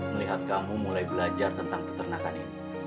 melihat kamu mulai belajar tentang peternakan ini